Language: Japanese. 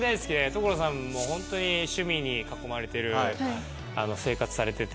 所さんもホントに趣味に囲まれてる生活されてて。